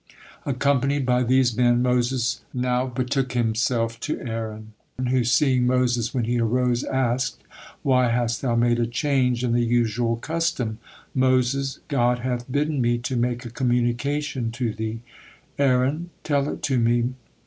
Accompanied by these men, Moses not betook himself to Aaron who, seeing Moses when he arose, asked: "Why hast thou made a change in the usual custom?" Moses: "God hath bidden me to make a communication to thee." Aaron: "Tell it to me."